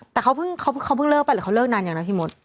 แต่เขาเพิ่งเขาเพิ่งเลิกไปหรือเขาเลิกนานอย่างนั้นพี่มด